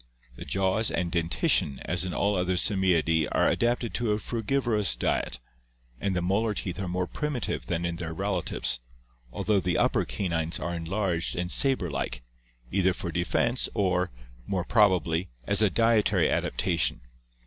The jaws and dentition as in all other Simiidae are adapted to a frugivorous diet, and the molar teeth are more primitive than in their relatives, although the upper canines are enlarged and saber like, either for defense or, more probably, as a dietary adaptation.